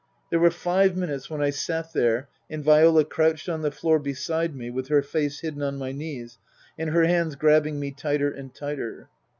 There were five minutes when I sat there and Viola crouched on the floor beside me with her face hidden on my knees and her hands grabbing me tighter and tighter.